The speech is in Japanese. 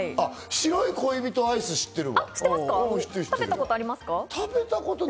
白い恋人アイス、知ってるわ。